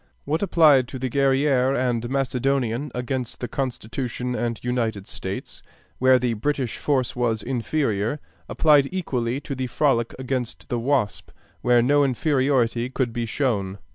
What applied to the Guerrière and Macedonian against the Constitution and United States, where the British force was inferior, applied equally to the Frolic against the Wasp, where no inferiority could be shown.